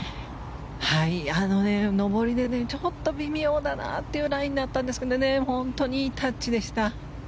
上りでちょっと微妙なラインだったんですけど本当にいいタッチでした。